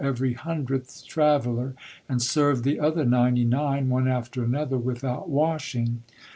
every hundredth traveller, and served the other ninety nine, one after another, without washing.